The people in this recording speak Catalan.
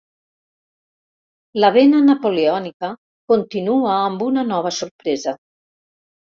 La vena napoleònica continua amb una nova sorpresa.